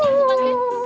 sini aku bantuin